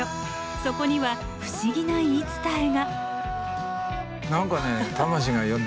そこには不思議な言い伝えが。